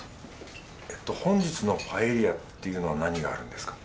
えっと本日のパエリアっていうのは何があるんですか？